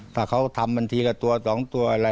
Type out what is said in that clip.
ถ้าเขาทำบันทีกับตัวสองตัวอะไร